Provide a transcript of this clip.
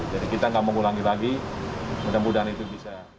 jadi kita gak mau ulangi lagi semoga itu bisa